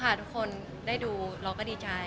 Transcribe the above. แฟนคลับของคุณไม่ควรเราอะไรไง